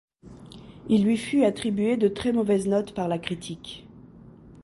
Il lui fut attribué de très mauvaises notes par la critique.